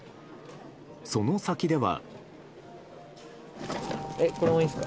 その先では。